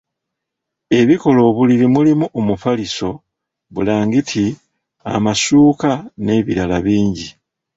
Ebikola obuliri mulimu omufaliso, bulangiti, amasuuka n'ebirala bingi.